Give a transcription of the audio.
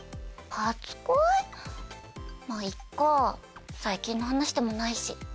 まぁいっか最近の話でもないし。